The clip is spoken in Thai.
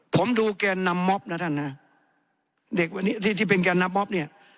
ผมดูแกนนำม็อบนะท่านนะที่เป็นแกนนำม็อบเนี่ย